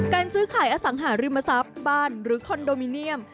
ซื้อขายอสังหาริมทรัพย์บ้านหรือคอนโดมิเนียม